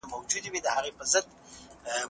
کمپيوټر د هنر مرسته کوي.